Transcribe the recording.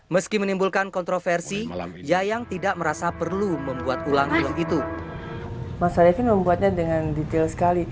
meski menimbulkan kontroversi yayang tidak merasa perlu membuat ulang uang itu